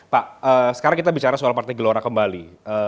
pak sekarang kita bicara soal partai gelora kembali